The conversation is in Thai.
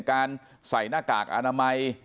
การใส่หน้ากากอนามัย